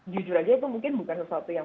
jujur aja itu mungkin bukan sesuatu yang